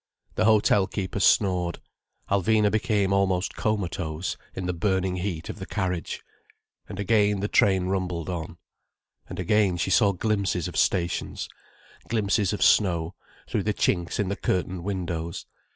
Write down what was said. The hotel keeper snored. Alvina became almost comatose, in the burning heat of the carriage. And again the train rumbled on. And again she saw glimpses of stations, glimpses of snow, through the chinks in the curtained windows.